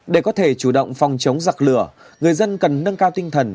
để có thể chủ động phòng chống giặc lửa người dân cần nâng cao tinh thần